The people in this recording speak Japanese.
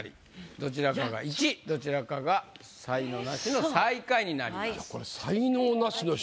どちらかが１位どちらかが才能ナシの最下位になります。